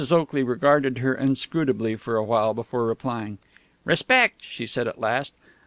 Oakley regarded her inscrutably for a while before replying. "Respect!" she said at last.